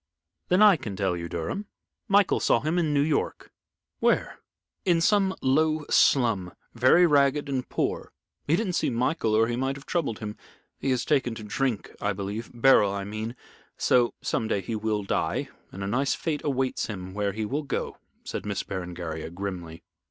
"Then I can tell you, Durham. Michael saw him in New York." "Where?" "In some low slum, very ragged and poor. He didn't see Michael, or he might have troubled him. He has taken to drink, I believe Beryl I mean so some day he will die, and a nice fate awaits him where he will go," said Miss Berengaria, grimly.